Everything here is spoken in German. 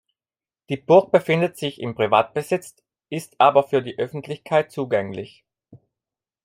Die Burg befindet sich in Privatbesitz, ist aber für die Öffentlichkeit zugänglich.